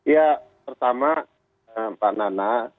ya pertama mbak nana